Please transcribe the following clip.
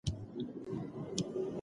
تاسو د کومې سیمې مسواک کاروئ؟